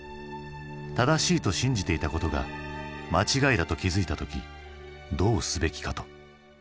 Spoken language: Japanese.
「正しいと信じていたことが間違いだと気付いた時どうすべきか？」と。